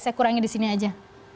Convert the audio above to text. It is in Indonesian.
saya kurangi disini aja